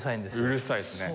うるさいですね。